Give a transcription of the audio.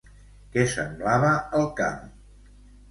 Què semblava el camp?